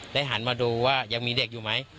หันมาดูว่ายังมีเด็กอยู่ไหม